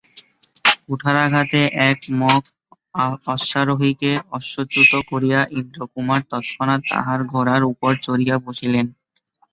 কুঠারাঘাতে এক মগ অশ্বারোহীকে অশ্বচ্যুত করিয়া ইন্দ্রকুমার তৎক্ষণাৎ তাহার ঘোড়ার উপর চড়িয়া বসিলেন।